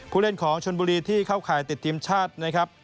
ผู้เล่นของชนบุรีที่เข้าข่ายติดทีมชาตินะครับ